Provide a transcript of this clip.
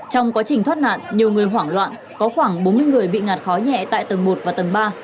trong quá trình thoát nạn nhiều người hoảng loạn có khoảng bốn mươi người bị ngạt khói nhẹ tại tầng một và tầng ba